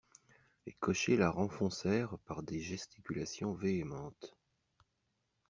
Les cochers la renfoncèrent par des gesticulations véhémentes.